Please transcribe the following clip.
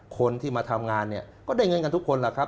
คนที่มาทำงานเนี่ยก็ได้เงินกันทุกคนแหละครับ